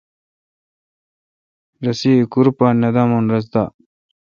رسی ایکور پہ نہ دامون رس دا۔